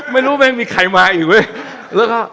ไม่รู้แม่งมีใครมาอีก